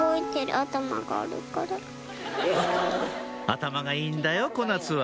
「頭がいいんだよ小夏は」